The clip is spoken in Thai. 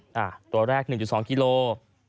ตัวแรก๑๒กิโลกรัม